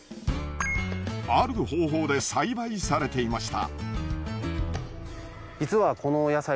ある方法で栽培されていました。